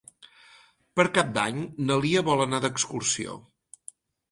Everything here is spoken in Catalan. Per Cap d'Any na Lia vol anar d'excursió.